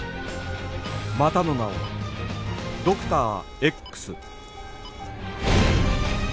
またの名をドクター Ｘ